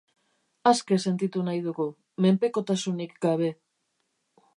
Aske sentitu nahi dugu, menpekotasunik gabe.